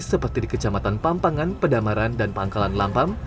seperti di kecamatan pampangan pedamaran dan pangkalan lampam